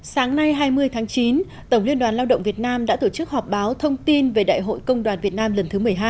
sáng nay hai mươi tháng chín tổng liên đoàn lao động việt nam đã tổ chức họp báo thông tin về đại hội công đoàn việt nam lần thứ một mươi hai